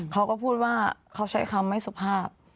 เขาก็พูดว่าเขาใช้คำไม่สุภาพ